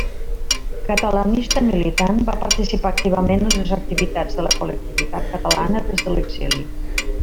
Catalanista militant, va participar activament en les activitats de la col·lectivitat catalana des de l'exili.